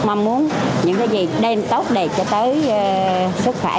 mong muốn những cái gì đem tốt đẹp cho tới sức khỏe